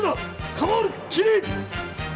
構わぬ斬れ！